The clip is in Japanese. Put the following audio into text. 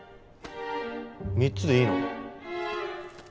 ３つでいいの？